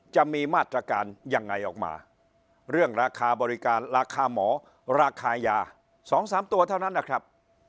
จะมีมาตรการยังไงออกมาเรื่องราคาบริการราคาหมอราคายา๒๓ตัวเท่านั้นนะครับ